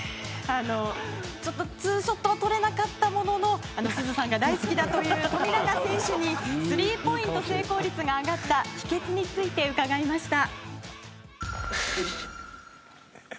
ツーショットは撮れなかったものの広瀬すずさんが大好きだという富永選手にスリーポイント成功率が上がった秘訣について伺いました。